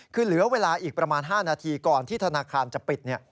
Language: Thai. คือเหลือเวลาอีกประมาณ๕นาทีก่อนที่ธนาคารจะปิด